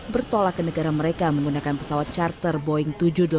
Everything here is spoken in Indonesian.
bertolak ke negara mereka menggunakan pesawat charter boeing tujuh ratus delapan puluh